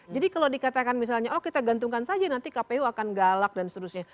jadi kalau dikatakan misalnya oh kita gantungkan saja nanti kpu akan galak dan seterusnya